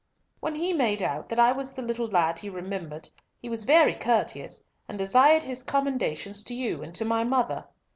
"When he made out that I was the little lad he remembered, he was very courteous, and desired his commendations to you and to my mother.